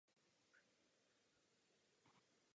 Pohlavně dospívají po jednom roce nebo po dvou.